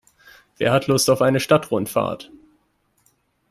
Wer hat Lust auf eine Stadtrundfahrt?